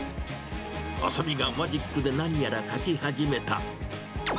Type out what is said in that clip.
浅見がマジックで何やら書き始めた。